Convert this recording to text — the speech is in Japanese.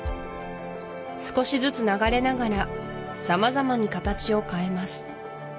少しずつ流れながら様々に形を変えます